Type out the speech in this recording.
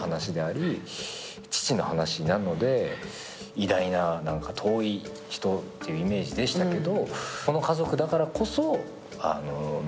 偉大な遠い人というイメージでしたけど。